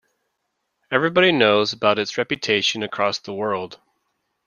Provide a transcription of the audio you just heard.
Everybody knows about its reputation across the world.